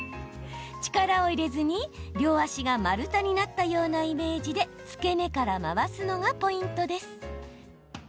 力を入れずに、両足が丸太になったようなイメージで付け根から回すのがポイントです。